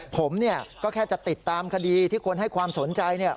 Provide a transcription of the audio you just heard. ผมก็แค่จะติดตามคดีที่คุณให้ความสนใจ